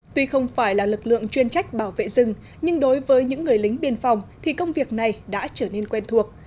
tuy không phải là lực lượng chuyên trách bảo vệ rừng nhưng đối với những người lính biên phòng thì công việc này đã trở nên quen thuộc